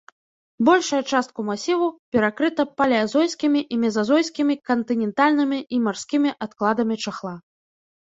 Большая частка масіву перакрыта палеазойскімі і мезазойскімі кантынентальнымі і марскімі адкладамі чахла.